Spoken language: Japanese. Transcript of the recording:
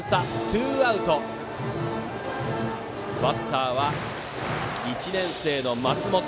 ツーアウトでバッターは１年生の松本。